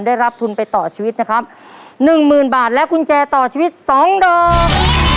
ได้รับทุนไปต่อชีวิตนะครับหนึ่งหมื่นบาทและกุญแจต่อชีวิตสองดอก